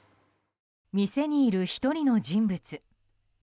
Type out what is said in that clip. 店にいる１人の人物。